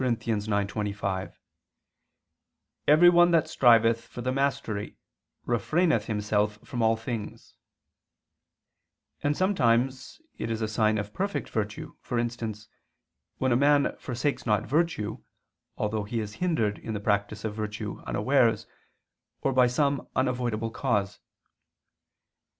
9:25), "Everyone that striveth for the mastery refraineth himself from all things": and sometimes it is a sign of perfect virtue for instance, when a man forsakes not virtue, although he is hindered in the practice of virtue unawares or by some unavoidable cause.